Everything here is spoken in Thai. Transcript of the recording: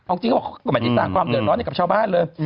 เอาจริงก็ไม่สร้างความเดือดร้อนในกับชาวบ้านเลย